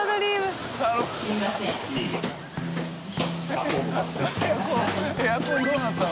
▲灰どうなったの？